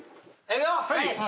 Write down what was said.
いくよ。